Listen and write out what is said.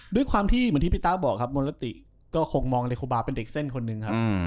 ด้วยความที่เหมือนที่พี่ต้าบอกครับมลติก็คงมองเลยโคบาเป็นเด็กเส้นคนนึงครับ